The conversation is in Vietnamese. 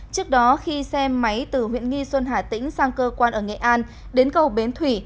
trước đó khi xe máy từ huyện nghi xuân hà tĩnh sang cơ quan ở nghệ an đến cầu bến thủy